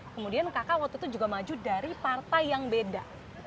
kemudian kakak waktu itu juga maju dari partai yang beda